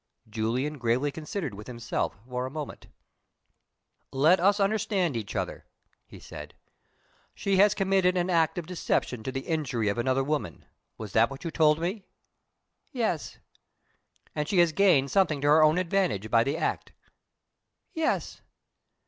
Julian gravely considered with himself for a moment. "Let us understand each other," he said. "She has committed an act of deception to the injury of another woman. Was that what you told me?" "Yes." "And she has gained something to her own advantage by the act." "Yes."